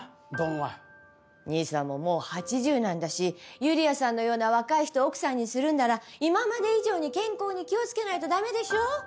兄さんももう８０なんだしユリアさんのような若い人を奥さんにするんなら今まで以上に健康に気をつけないと駄目でしょ！